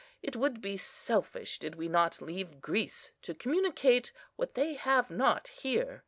It would be selfish did we not leave Greece to communicate what they have not here.